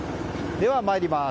では参ります。